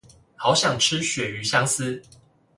好想吃鱈魚香絲